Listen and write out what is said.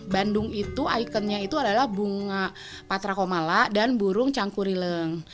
bandung itu ikonnya itu adalah bunga patra komala dan burung cangkurileng